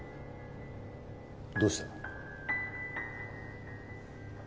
どうした？